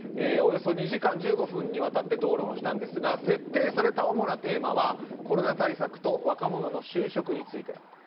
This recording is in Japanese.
およそ２時間１５分にわたって討論したんですが設定された主なテーマはコロナ対策と若者の就職について。